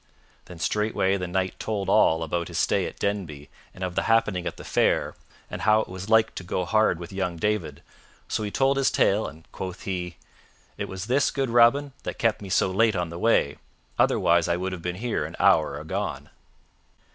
Then straightway the Knight told all about his stay at Denby and of the happening at the fair, and how it was like to go hard with young David; so he told his tale, and quoth he, "It was this, good Robin, that kept me so late on the way, otherwise I would have been here an hour agone."